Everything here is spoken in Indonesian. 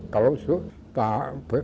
kalau itu tak berilu